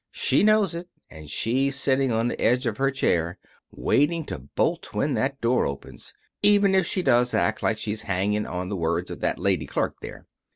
She knows it, and she's sitting on the edge of her chair, waiting to bolt when that door opens, even if she does act like she was hanging on the words of that lady clerk there.